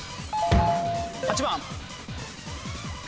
８番。